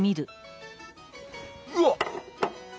うわっ！